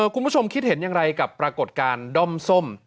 คุณผู้ชมคิดเห็นอย่างไรกับปรากฏการณ์ด้อมส้ม